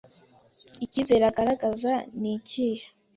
Icyizere agaragaza nikihe